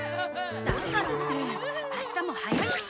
だからって明日も早い。